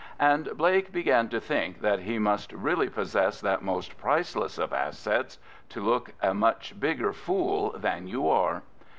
And Blake began to think that he must really possess that most priceless of assets, to look a much bigger fool than you are.